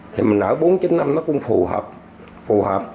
thì mình ở bốn chín năm nó cũng phù hợp